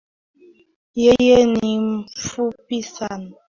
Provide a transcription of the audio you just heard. Yeye ni mfupi sana